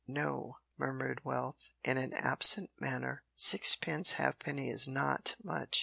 "No," murmured Wealth in an absent manner; "sixpence halfpenny is not much."